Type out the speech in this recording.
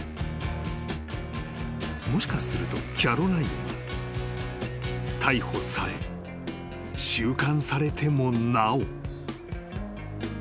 ［もしかするとキャロラインは逮捕され収監されてもなお］